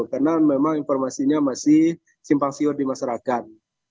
karena memang informasinya masih simpang siur di masyarakat